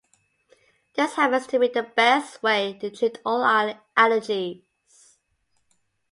This happens to be the best way to treat all eye allergies.